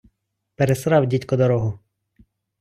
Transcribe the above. Пересрав дідько дорогу